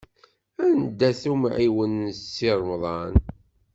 Anda-t umɛiwen n Si Remḍan?